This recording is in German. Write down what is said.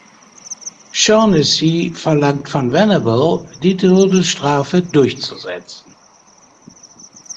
Shaughnessy verlangt von Venable, die Todesstrafe durchzusetzen.